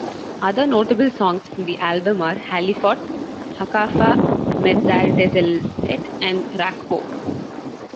Other notable songs from the album are "Halifot," "Hakafa Metzaltzelet" and "Rak Po".